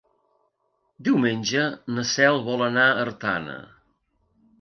Diumenge na Cel vol anar a Artana.